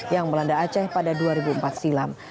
yang melanda aceh pada dua ribu empat silam